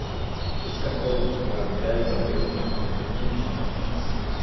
43), is composed while the bells are ringing out the conclusion of peace in 1648.